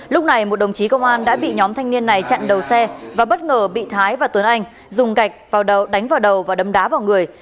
lúc này một đồng chí công an đã bị nhóm thanh niên này chặn đầu xe và bất ngờ bị thái và tuấn anh dùng gạch vào đầu đánh vào đầu và đấm đá vào người